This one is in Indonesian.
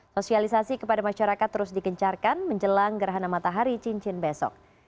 sosialisasi kepada masyarakat terus dikencarkan menjelang gerhana matahari cincin besok